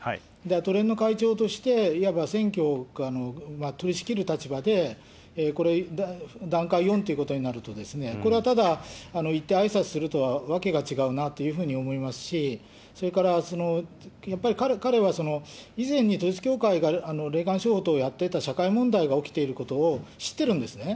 都連の会長としていわば選挙を取り仕切る立場で、これ、段階４ということになると、これは、ただ行ってあいさつするのとは分けが違うなというふうに思いますし、それからやっぱり彼は、以前に統一教会が霊感商法等やっていた社会問題が起きていることを知ってるんですね。